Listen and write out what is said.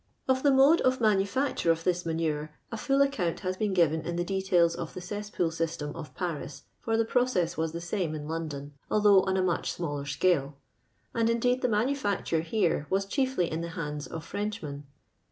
Of the mode of manufacture of this manure, a fuU account has been given in the details of the cesspool system of Paris, for the process was the same in London, although on a much smaller scale; and indeed the manufacture here was chiefly in the hands of Frenchmen.